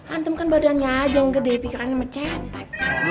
antum kan badannya aja yang gede pikirannya mecepek